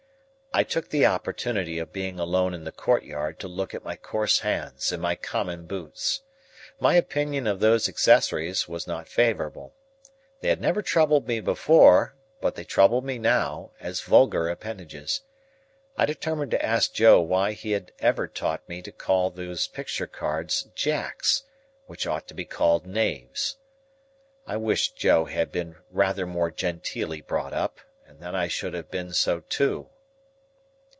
I took the opportunity of being alone in the courtyard to look at my coarse hands and my common boots. My opinion of those accessories was not favourable. They had never troubled me before, but they troubled me now, as vulgar appendages. I determined to ask Joe why he had ever taught me to call those picture cards Jacks, which ought to be called knaves. I wished Joe had been rather more genteelly brought up, and then I should have been so too.